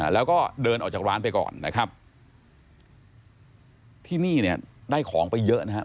แล้วก็เดินออกจากร้านไปก่อนนะครับที่นี่เนี่ยได้ของไปเยอะนะครับ